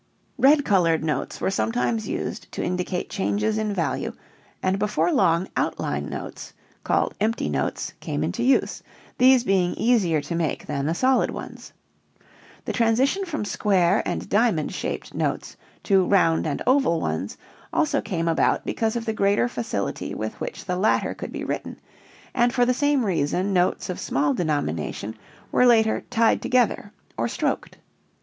Red colored notes were sometimes used to indicate changes in value and before long outline notes (called empty notes) came into use, these being easier to make than the solid ones. The transition from square and diamond shaped notes to round and oval ones also came about because of the greater facility with which the latter could be written, and for the same reason notes of small denomination were later "tied together" or stroked.